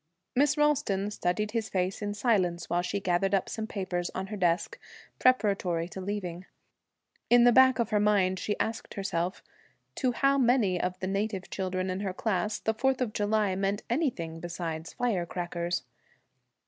Miss Ralston studied his face in silence while she gathered up some papers on her desk, preparatory to leaving. In the back of her mind she asked herself to how many of the native children in her class the Fourth of July meant anything besides fire crackers.